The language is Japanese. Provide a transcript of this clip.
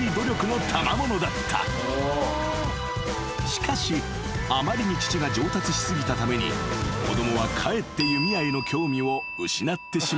［しかしあまりに父が上達し過ぎたために子供はかえって弓矢への興味を失ってしまったという］